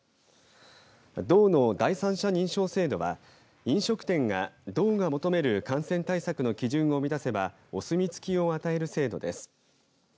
道の第三者認証制度は飲食店が道が求める感染対策の基準を満たせばお墨付きを与える制度です。